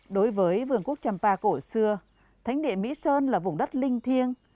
đối với vườn quốc champa cổ xưa thánh địa mỹ sơn là vùng đất linh thiêng